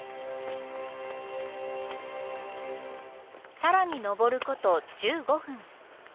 更に登ること１５分。